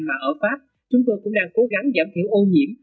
mà ở pháp chúng tôi cũng đang cố gắng giảm thiểu ô nhiễm